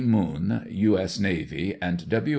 Munn, U. S. Navy, and W.